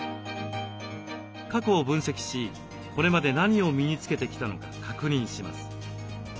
過去を分析しこれまで何を身につけてきたのか確認します。